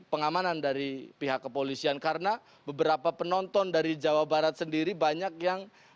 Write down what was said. pengamanan dari pihak kepolisian karena beberapa penonton dari jawa barat sendiri banyak yang